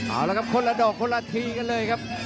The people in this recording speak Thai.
เอาละครับคนละดอกคนละทีกันเลยครับ